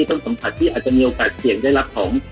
ต้นสัมผัสที่อาจจะมีโอกาสเสี่ยงได้รับของ